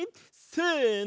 せの！